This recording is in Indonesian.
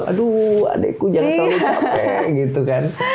aduh adikku jangan terlalu capek gitu kan